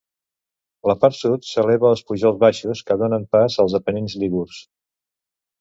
La part sud s'eleva als pujols baixos que donen pas als Apenins lígurs.